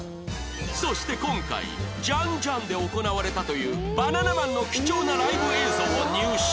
そして今回ジァン・ジァンで行われたというバナナマンの貴重なライブ映像を入手！